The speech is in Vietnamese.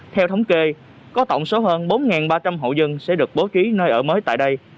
theo thống kê có tổng số hơn bốn ba trăm linh hộ dân sẽ được bố trí nơi ở mới tại đây